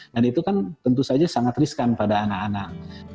dan itu kan tentu saja sangat riskan pada anak anak